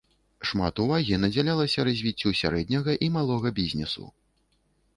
Шмат увагі надзялялася развіццю сярэдняга і малога бізнесу.